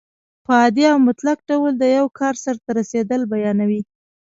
په عادي او مطلق ډول د یو کار سرته رسېدل بیانیوي.